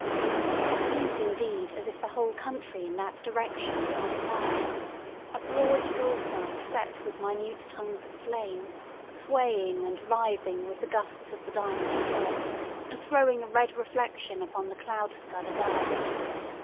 It seemed indeed as if the whole country in that direction was on fire—a broad hillside set with minute tongues of flame, swaying and writhing with the gusts of the dying storm, and throwing a red reflection upon the cloud scud above.